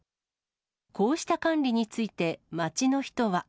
こうした管理について、街の人は。